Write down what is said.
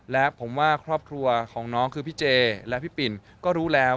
และผมว่าครอบครัวของน้องคือพี่เจและพี่ปิ่นก็รู้แล้ว